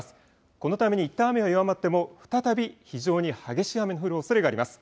このため一旦、雨が弱まっても再び非常に激しい雨の降るおそれがあります。